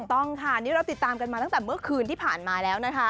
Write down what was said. ต้องค่ะนี่เราติดตามกันมาตั้งแต่เมื่อคืนที่ผ่านมาแล้วนะคะ